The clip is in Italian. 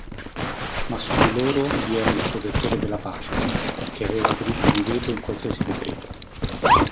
Ma su di loro vi era il protettore della pace, che aveva diritto di veto in qualsiasi decreto.